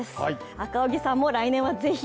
赤荻さんも来年はぜひ。